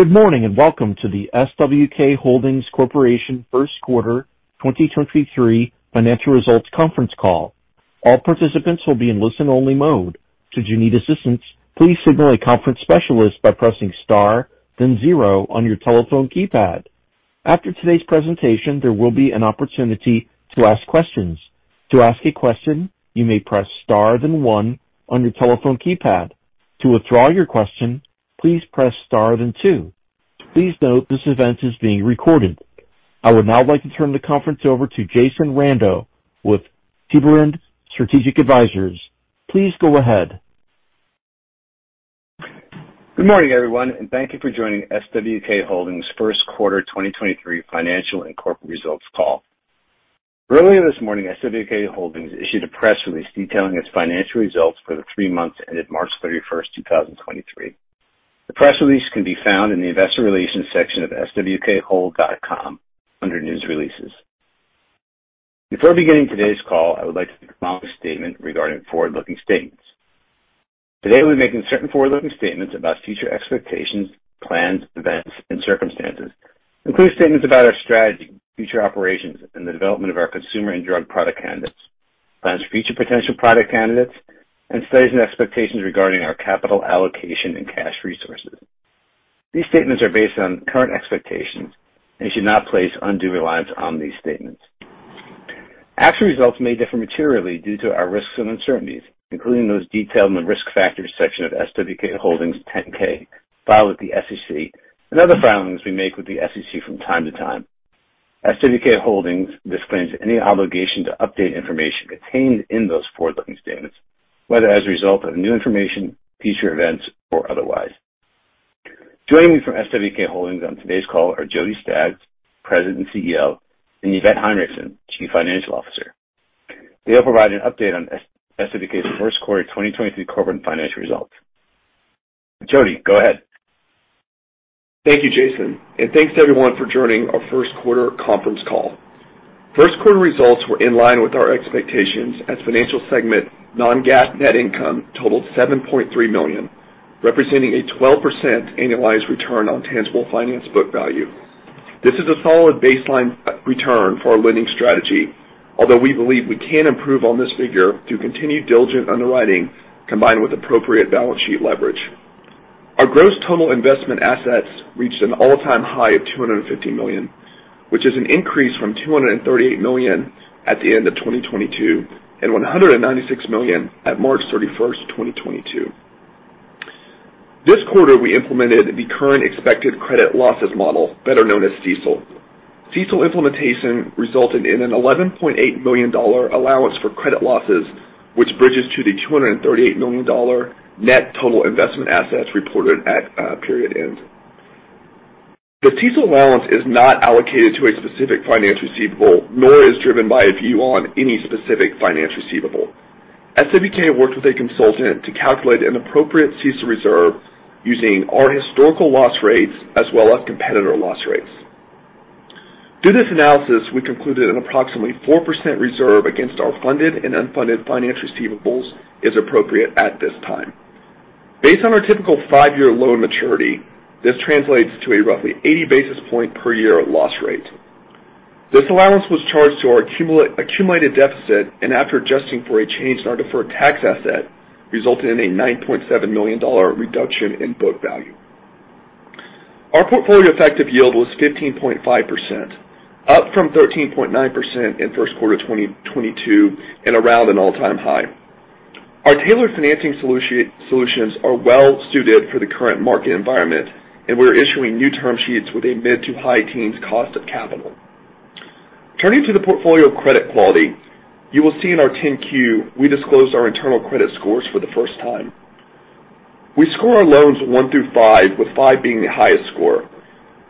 Good morning, welcome to the SWK Holdings Corporation First Quarter 2023 Financial Results Conference Call. All participants will be in listen-only mode. Should you need assistance, please signal a conference specialist by pressing Star, then zero on your telephone keypad. After today's presentation, there will be an opportunity to ask questions. To ask a question, you may press Star then one on your telephone keypad. To withdraw your question, please press Star then two. Please note this event is being recorded. I would now like to turn the conference over to Jason Rando with Tiberend Strategic Advisors. Please go ahead. Good morning, everyone, and thank you for joining SWK Holdings First Quarter 2023 Financial and Corporate Results Call. Earlier this morning, SWK Holdings issued a press release detailing its financial results for the three months ended March 31st, 2023. The press release can be found in the Investor Relations section of swkhold.com under News Releases. Before beginning today's call, I would like to make a formal statement regarding forward-looking statements. Today, we'll be making certain forward-looking statements about future expectations, plans, events, and circumstances, including statements about our strategy, future operations, and the development of our consumer and drug product candidates, plans for future potential product candidates, and studies and expectations regarding our capital allocation and cash resources. These statements are based on current expectations and should not place undue reliance on these statements. Actual results may differ materially due to our risks and uncertainties, including those detailed in the Risk Factors section of SWK Holdings 10-K filed with the SEC and other filings we make with the SEC from time to time. SWK Holdings disclaims any obligation to update information contained in those forward-looking statements, whether as a result of new information, future events or otherwise. Joining me from SWK Holdings on today's call are Jody Staggs, President and CEO, and Yvette Heinrichsen, Chief Financial Officer. They'll provide an update on SWK's first quarter 2023 corporate and financial results. Jody, go ahead. Thank you, Jason, and thanks to everyone for joining our first quarter conference call. First quarter results were in line with our expectations as financial segment non-GAAP net income totaled $7.3 million, representing a 12% annualized return on tangible finance book value. This is a solid baseline return for our lending strategy, although we believe we can improve on this figure through continued diligent underwriting combined with appropriate balance sheet leverage. Our gross total investment assets reached an all-time high of $250 million, which is an increase from $238 million at the end of 2022 and $196 million at March 31, 2022. This quarter, we implemented the Current Expected Credit Losses model, better known as CECL. CECL implementation resulted in an $11.8 million allowance for credit losses, which bridges to the $238 million net total investment assets reported at period end. The CECL allowance is not allocated to a specific finance receivable, nor is driven by a view on any specific finance receivable. SWK worked with a consultant to calculate an appropriate CECL reserve using our historical loss rates as well as competitor loss rates. Through this analysis, we concluded an approximately 4% reserve against our funded and unfunded finance receivables is appropriate at this time. Based on our typical five-year loan maturity, this translates to a roughly 80 basis point per year loss rate. This allowance was charged to our accumulated deficit and, after adjusting for a change in our deferred tax asset, resulted in a $9.7 million reduction in book value. Our portfolio effective yield was 15.5%, up from 13.9% in first quarter of 2022 and around an all-time high. Our tailored financing solutions are well suited for the current market environment, and we're issuing new term sheets with a mid-to-high teens cost of capital. Turning to the portfolio credit quality, you will see in our 10-Q, we disclosed our internal credit scores for the first time. We score our loans one through five, with five being the highest score.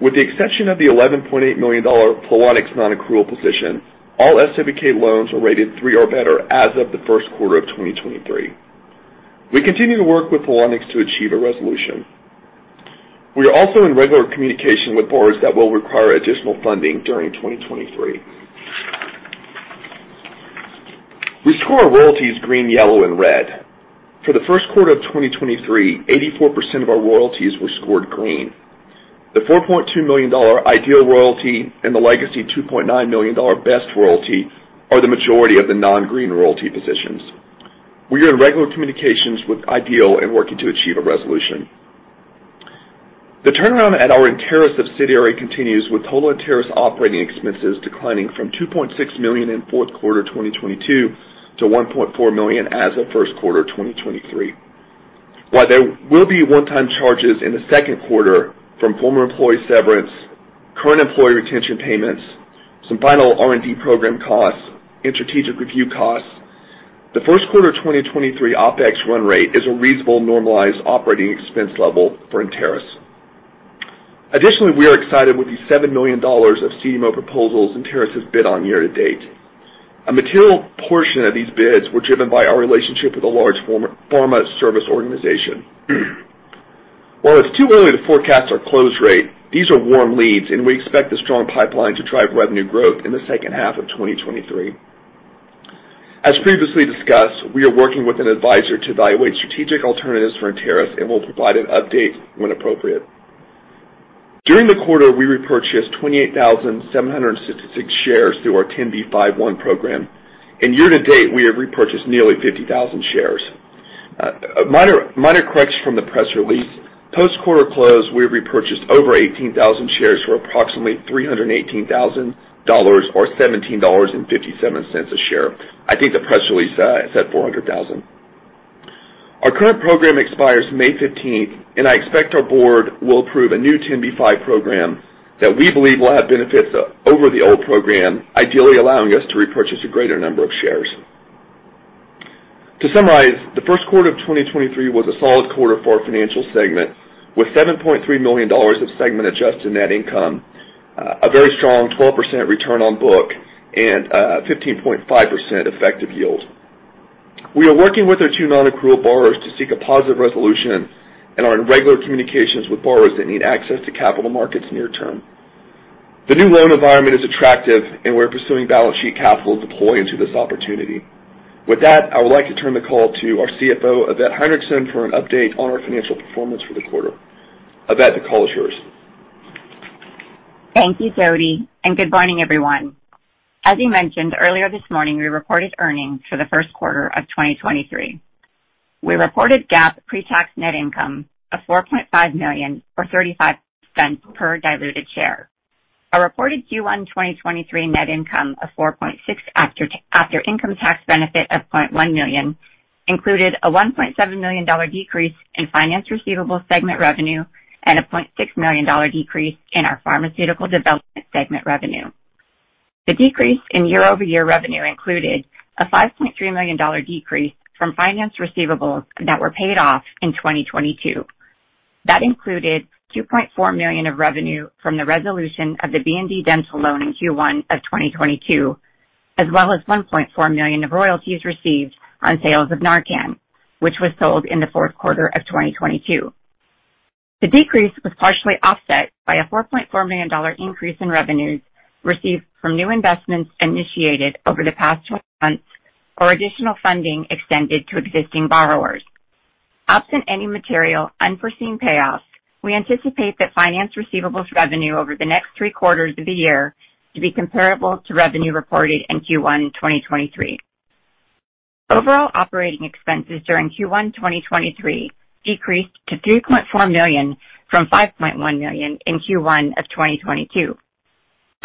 With the exception of the $11.8 million Flowonix non-accrual position, all SWK loans are rated three or better as of the first quarter of 2023. We continue to work with Flowonix to achieve a resolution. We are also in regular communication with borrowers that will require additional funding during 2023. We score our royalties green, yellow and red. For the first quarter of 2023, 84% of our royalties were scored green. The $4.2 million Ideal royalty and the Legacy $2.9 million Best royalty are the majority of the non-green royalty positions. We are in regular communications with Ideal and working to achieve a resolution. The turnaround at our Enteris subsidiary continues with total Enteris operating expenses declining from $2.6 million in fourth quarter 2022 to $1.4 million as of first quarter 2023. While there will be one-time charges in the second quarter from former employee severance, current employee retention payments, some final R&D program costs and strategic review costs, the first quarter of 2023 OpEx run rate is a reasonable normalized operating expense level for Enteris. Additionally, we are excited with the $7 million of CDMO proposals Enteris has bid on year to date. A material portion of these bids were driven by our relationship with a large pharma service organization. While it's too early to forecast our close rate, these are warm leads, and we expect the strong pipeline to drive revenue growth in the second half of 2023. As previously discussed, we are working with an advisor to evaluate strategic alternatives for Enteris, and we'll provide an update when appropriate. During the quarter, we repurchased 28,766 shares through our 10b5-1 program, and year to date, we have repurchased nearly 50,000 shares. A minor correction from the press release. Post-quarter close, we repurchased over 18,000 shares for approximately $318,000 or $17.57 a share. I think the press release said $400,000. Our current program expires May 15th, and I expect our board will approve a new 10b5-1 program that we believe will have benefits over the old program, ideally allowing us to repurchase a greater number of shares. To summarize, the first quarter of 2023 was a solid quarter for our financial segment, with $7.3 million of segment adjusted net income, a very strong 12% return on book and a 15.5% effective yield. We are working with our two non-accrual borrowers to seek a positive resolution and are in regular communications with borrowers that need access to capital markets near term. The new loan environment is attractive, and we're pursuing balance sheet capital deploy into this opportunity. With that, I would like to turn the call to our CFO, Yvette Heinrichsen, for an update on our financial performance for the quarter. Yvette, the call is yours. Thank you, Jody, good morning, everyone. As you mentioned earlier this morning, we reported earnings for the first quarter of 2023. We reported GAAP pre-tax net income of $4.5 million, or $0.35 per diluted share. Our reported Q1 2023 net income of $4.6 after income tax benefit of $0.1 million included a $1.7 million decrease in finance receivables segment revenue and a $0.6 million decrease in our pharmaceutical development segment revenue. The decrease in year-over-year revenue included a $5.3 million decrease from finance receivables that were paid off in 2022. That included $2.4 million of revenue from the resolution of the B&D Dental loan in Q1 of 2022, as well as $1.4 million of royalties received on sales of NARCAN, which was sold in the fourth quarter of 2022. The decrease was partially offset by a $4.4 million increase in revenues received from new investments initiated over the past 12 months or additional funding extended to existing borrowers. Absent any material unforeseen payoffs, we anticipate that finance receivables revenue over the next 3 quarters of the year to be comparable to revenue reported in Q1 in 2023. Overall operating expenses during Q1 2023 decreased to $3.4 million from $5.1 million in Q1 of 2022.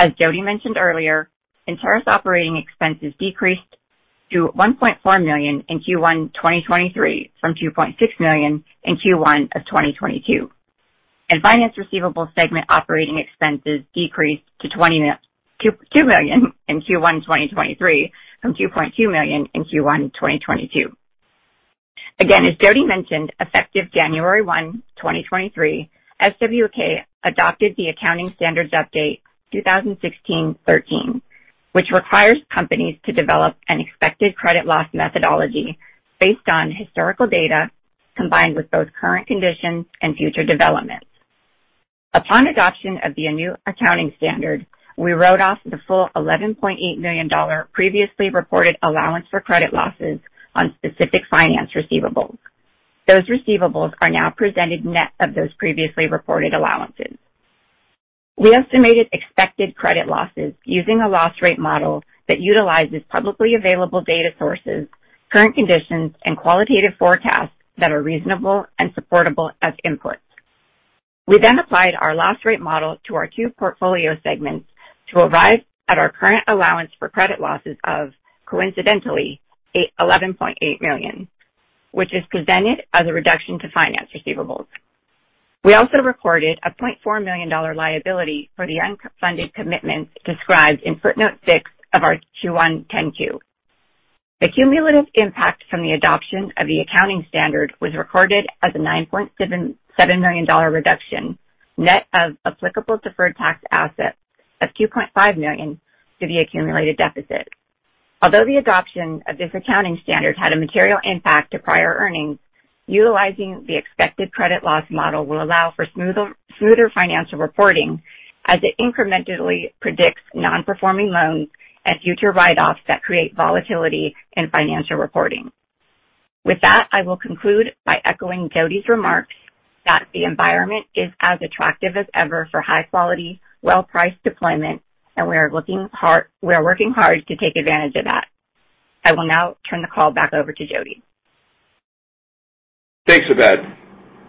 As Jody mentioned earlier, Enteris operating expenses decreased to $1.4 million in Q1 2023 from $2.6 million in Q1 2022. Finance receivables segment operating expenses decreased to $2.2 million in Q1 2023 from $2.2 million in Q1 2022. Again, as Jody mentioned, effective January 1, 2023, SWK adopted the Accounting Standards Update 2016-13, which requires companies to develop an expected credit loss methodology based on historical data combined with both current conditions and future developments. Upon adoption of the new accounting standard, we wrote off the full $11.8 million previously reported allowance for credit losses on specific finance receivables. Those receivables are now presented net of those previously reported allowances. We estimated expected credit losses using a loss rate model that utilizes publicly available data sources, current conditions, and qualitative forecasts that are reasonable and supportable as inputs. We then applied our loss rate model to our two portfolio segments to arrive at our current allowance for credit losses of, coincidentally, $11.8 million, which is presented as a reduction to finance receivables. We also recorded a $0.4 million liability for the unfunded commitments described in footnote six of our Q1 10-Q. The cumulative impact from the adoption of the accounting standard was recorded as a $9.77 million reduction, net of applicable deferred tax assets of $2.5 million to the accumulated deficit. Although the adoption of this accounting standard had a material impact to prior earnings, utilizing the expected credit loss model will allow for smoother financial reporting as it incrementally predicts non-performing loans and future write-offs that create volatility in financial reporting. With that, I will conclude by echoing Jody's remarks that the environment is as attractive as ever for high quality, well-priced deployment, and we are working hard to take advantage of that. I will now turn the call back over to Jody. Thanks, Yvette.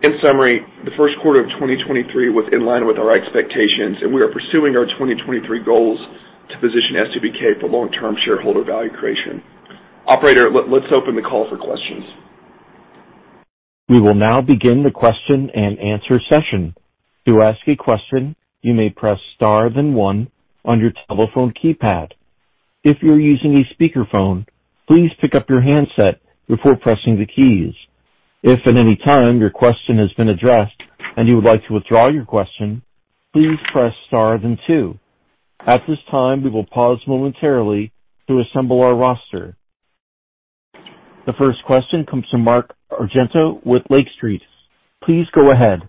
In summary, the first quarter of 2023 was in line with our expectations, and we are pursuing our 2023 goals to position SWK for long-term shareholder value creation. Operator, let's open the call for questions. We will now begin the question and answer session. To ask a question, you may press star then one on your telephone keypad. If you're using a speaker phone, please pick up your handset before pressing the keys. If at any time your question has been addressed and you would like to withdraw your question, please press star then two. At this time, we will pause momentarily to assemble our roster. The first question comes from Mark Argento with Lake Street. Please go ahead.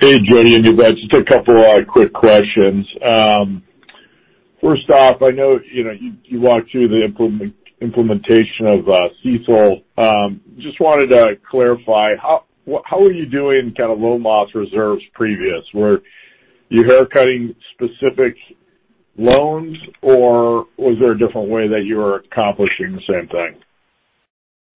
Hey, Jody and Yvette. Just a couple of quick questions. First off, I know, you know, you walked through the implementation of CECL. Just wanted to clarify, how are you doing kind of loan loss reserves previous? Were you haircutting specific loans, or was there a different way that you were accomplishing the same thing?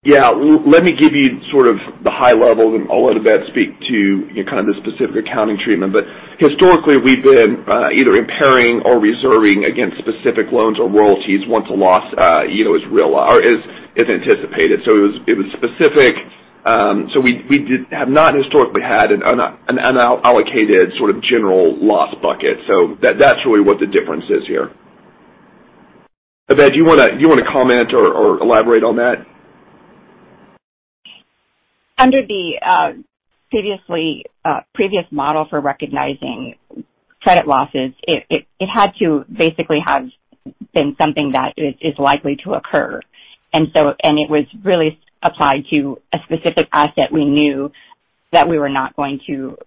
Yeah. Let me give you sort of the high level, then I'll let Yvette speak to, you know, kind of the specific accounting treatment. Historically, we've been either impairing or reserving against specific loans or royalties once a loss, you know, is real or is anticipated. It was specific. We did have not historically had an unallocated sort of general loss bucket. That's really what the difference is here. Yvette, do you wanna comment or elaborate on that? Under the previous model for recognizing credit losses, it had to basically have been something that is likely to occur. It was really applied to a specific asset we knew that we were not going to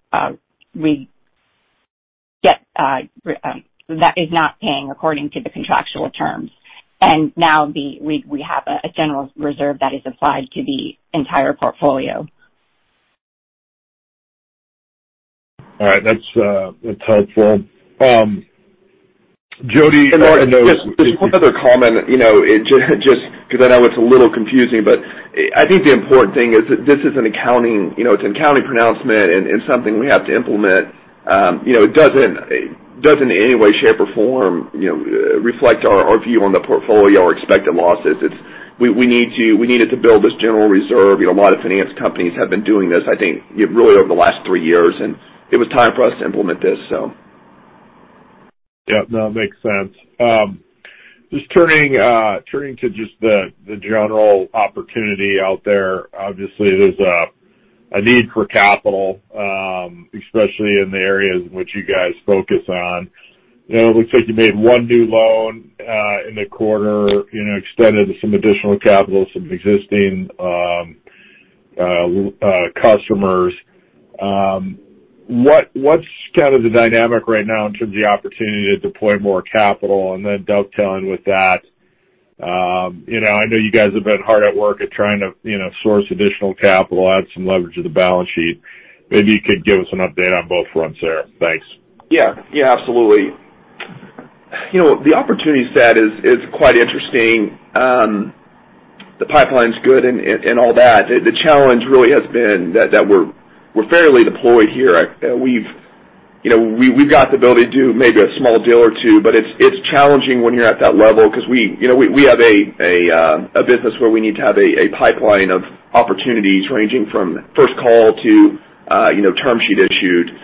get that is not paying according to the contractual terms. Now we have a general reserve that is applied to the entire portfolio. All right. That's, that's helpful. Jody- Martin, just one other comment, you know, it just because I know it's a little confusing, but I think the important thing is that this is an accounting, you know, it's an accounting pronouncement and something we have to implement. You know, it doesn't in any way, shape, or form, you know, reflect our view on the portfolio or expected losses. We needed to build this general reserve. You know, a lot of finance companies have been doing this, I think, really over the last three years, and it was time for us to implement this. Yeah. No, it makes sense. Just turning to just the general opportunity out there. Obviously, there's a need for capital, especially in the areas in which you guys focus on. You know, it looks like you made one new loan in the quarter, you know, extended some additional capital, some existing customers. What's kind of the dynamic right now in terms of the opportunity to deploy more capital? Dovetailing with that, you know, I know you guys have been hard at work at trying to, you know, source additional capital, add some leverage to the balance sheet. Maybe you could give us an update on both fronts there. Thanks. Yeah. Yeah, absolutely. You know, the opportunity set is quite interesting. The pipeline's good and all that. The challenge really has been that we're fairly deployed here. We've, you know, we've got the ability to do maybe a small deal or two, but it's challenging when you're at that level because we, you know, we have a business where we need to have a pipeline of opportunities ranging from first call to, you know, term sheet issued.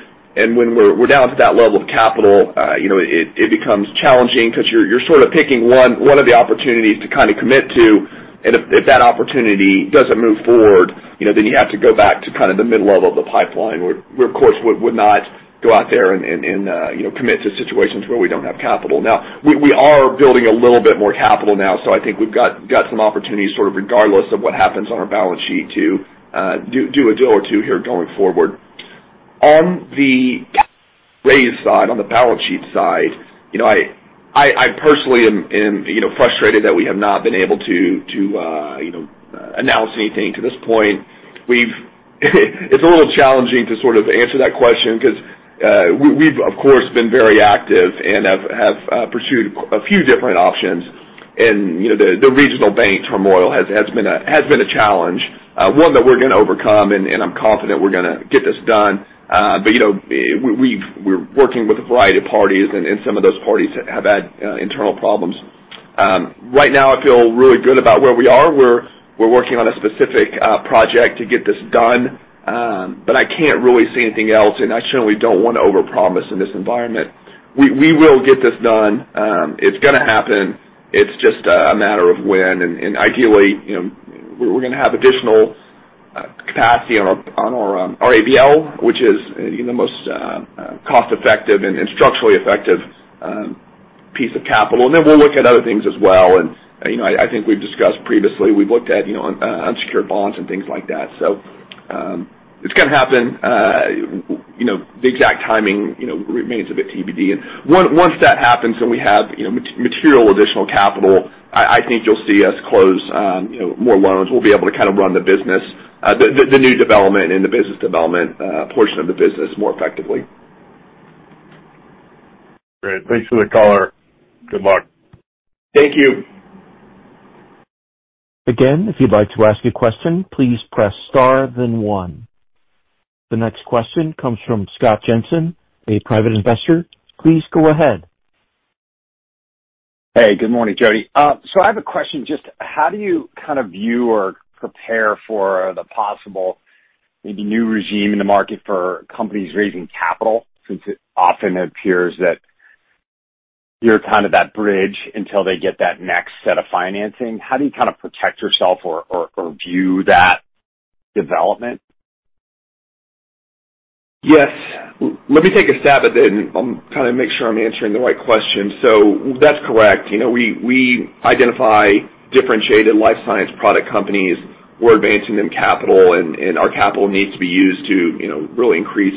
When we're down to that level of capital, you know, it becomes challenging because you're sort of picking one of the opportunities to kind of commit to. If that opportunity doesn't move forward, you know, then you have to go back to kind of the mid-level of the pipeline, where we of course would not go out there and, you know, commit to situations where we don't have capital. We are building a little bit more capital now, so I think we've got some opportunities sort of regardless of what happens on our balance sheet to do a deal or two here going forward. On the raise side, on the balance sheet side, you know, I personally am, you know, frustrated that we have not been able to, you know, announce anything to this point. We've it's a little challenging to sort of answer that question because we've of course been very active and have pursued a few different options. You know, the regional bank turmoil has been a challenge, one that we're gonna overcome, and I'm confident we're gonna get this done. You know, we're working with a variety of parties and some of those parties have had internal problems. Right now I feel really good about where we are. We're working on a specific project to get this done. I can't really say anything else. I certainly don't wanna overpromise in this environment. We will get this done. It's gonna happen. It's just a matter of when. Ideally, you know, we're gonna have additional capacity on our ABL, which is, you know, most cost-effective and structurally effective piece of capital. Then we'll look at other things as well. You know, I think we've discussed previously, we've looked at, you know, unsecured bonds and things like that. It's gonna happen. You know, the exact timing, you know, remains a bit TBD. Once that happens and we have, you know, material additional capital, I think you'll see us close, you know, more loans. We'll be able to kind of run the business, the new development and the business development portion of the business more effectively. Great. Thanks for the color. Good luck. Thank you. If you'd like to ask a question, please press star then one. The next question comes from Scott Jensen, a private investor. Please go ahead. Hey, good morning, Jody. I have a question. Just how do you kind of view or prepare for the possible maybe new regime in the market for companies raising capital, since it often appears that you're kind of that bridge until they get that next set of financing? How do you kind of protect yourself or view that development? Yes. Let me take a stab at that and, kind of make sure I'm answering the right question. That's correct. You know, we identify differentiated life science product companies. We're advancing them capital and, our capital needs to be used to, you know, really increase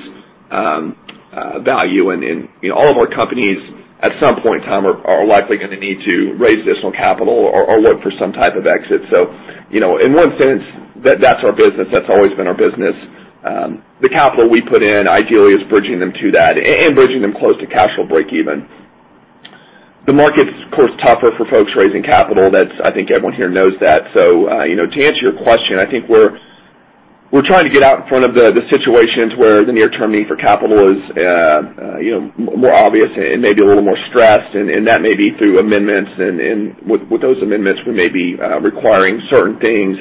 value. All of our companies at some point in time are likely gonna need to raise additional capital or look for some type of exit. You know, in one sense, that's our business. That's always been our business. The capital we put in ideally is bridging them to that and bridging them close to cash flow break-even. The market's, of course, tougher for folks raising capital. I think everyone here knows that. You know, to answer your question, I think we're trying to get out in front of the situations where the near-term need for capital is, you know, more obvious and maybe a little more stressed, and that may be through amendments. With those amendments, we may be requiring certain things,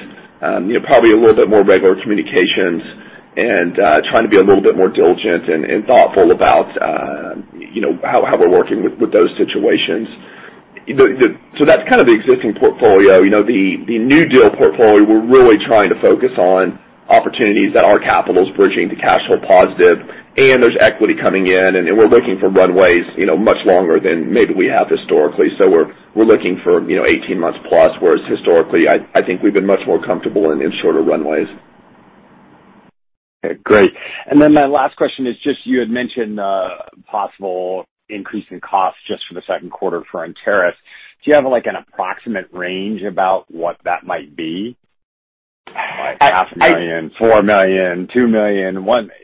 you know, probably a little bit more regular communications and trying to be a little bit more diligent and thoughtful about, you know, how we're working with those situations. That's kind of the existing portfolio. You know, the new deal portfolio, we're really trying to focus on opportunities that our capital's bridging to cash flow positive, and there's equity coming in, and we're looking for runways, you know, much longer than maybe we have historically. We're looking for, you know, 18 months plus, whereas historically I think we've been much more comfortable in shorter runways. Okay, great. My last question is just you had mentioned, possible increase in costs just for the second quarter for Enteris. Do you have like an approximate range about what that might be? Like half a million, $4 million, $2 million?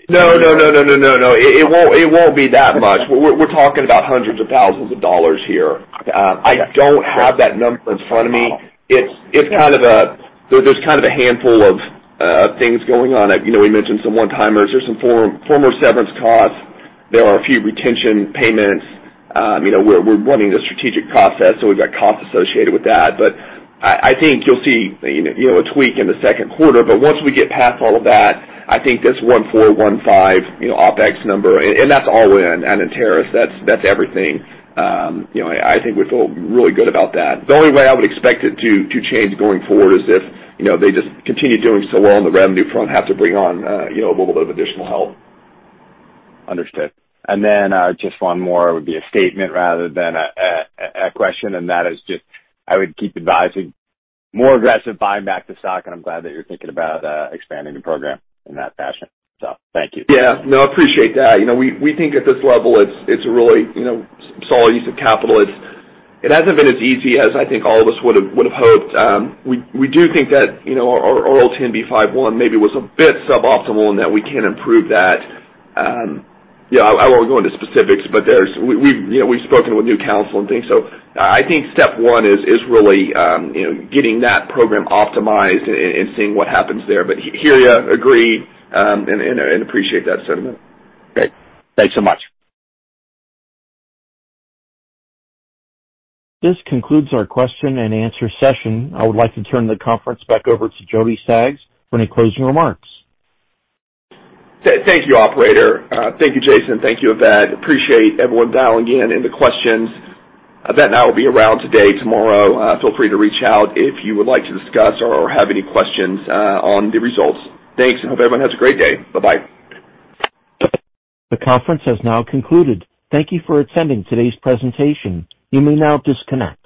No, no, no, no. It won't, it won't be that much. We're, we're talking about hundreds of thousands of dollars here. I don't have that number in front of me. It's kind of a handful of things going on. You know, we mentioned some one-timers. There's some former severance costs. There are a few retention payments. You know, we're running the strategic process, so we've got costs associated with that. But I think you'll see, you know, a tweak in the second quarter, but once we get past all of that, I think this $1.4 million-$1.5 million, you know, OpEx number, and that's all in, at Enteris, that's everything. You know, I think we feel really good about that. The only way I would expect it to change going forward is if, you know, they just continue doing so well on the revenue front, have to bring on, you know, a little bit of additional help. Understood. Just one more. It would be a statement rather than a question, and that is just I would keep advising more aggressive buying back the stock, and I'm glad that you're thinking about expanding the program in that fashion. Thank you. Yeah. No, appreciate that. You know, we think at this level it's a really, you know, solid use of capital. It hasn't been as easy as I think all of us would've hoped. We do think that, you know, our oral 10b5-1 maybe was a bit suboptimal and that we can improve that. Yeah, I won't go into specifics, but there's We, you know, we've spoken with new council and things. I think step one is really, you know, getting that program optimized and seeing what happens there. Hear you, agreed, and appreciate that sentiment. Great. Thanks so much. This concludes our question and answer session. I would like to turn the conference back over to Jody Staggs for any closing remarks. Thank you, operator. Thank you, Jason. Thank you, Yvette. Appreciate everyone dialing in and the questions. Yvette and I will be around today, tomorrow. Feel free to reach out if you would like to discuss or have any questions on the results. Thanks. I hope everyone has a great day. Bye-bye. The conference has now concluded. Thank you for attending today's presentation. You may now disconnect.